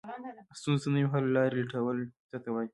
ستونزو ته نوې حل لارې لټول څه ته وایي؟